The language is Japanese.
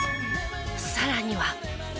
さらには。